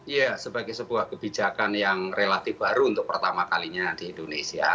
ya sebagai sebuah kebijakan yang relatif baru untuk pertama kalinya di indonesia